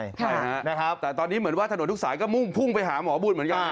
ใช่ฮะนะครับแต่ตอนนี้เหมือนว่าถนนทุกสายก็มุ่งพุ่งไปหาหมอบุญเหมือนกัน